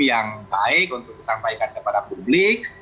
yang baik untuk disampaikan kepada publik